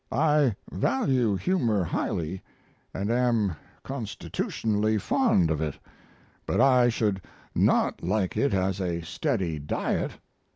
I value humor highly, & am constitutionally fond of it, but I should not like it as a steady diet.